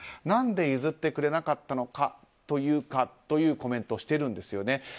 何で譲ってくれなかったのかというかというコメントをしているんですね。